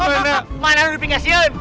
mana mana lu di pinggir siun